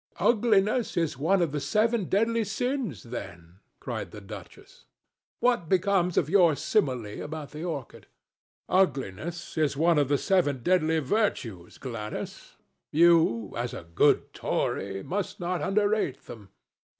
"Ugliness is one of the seven deadly sins, then?" cried the duchess. "What becomes of your simile about the orchid?" "Ugliness is one of the seven deadly virtues, Gladys. You, as a good Tory, must not underrate them.